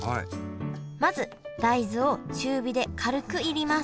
まず大豆を中火で軽く煎ります。